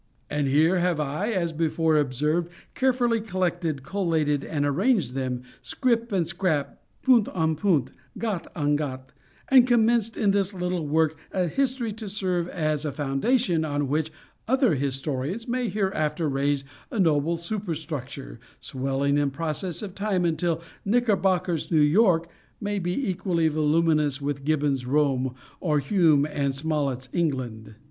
And here have I, as before observed, carefully collected, collated, and arranged them, scrip and scrap, "punt en punt, gat en gat," and commenced in this little work, a history to serve as a foundation on which other historians may hereafter raise a noble superstructure, swelling in process of time, until Knickerbocker's New York may be equally voluminous with Gibbon's Rome, or Hume and Smollett's England!